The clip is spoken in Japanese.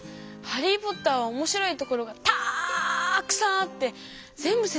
「ハリー・ポッター」はおもしろいところがたくさんあってぜんぶ